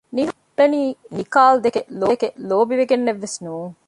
ނިހާ އުޅުނީ ނިކާލްދެކެ ލޯބިވެގެނެއްވެސް ނޫން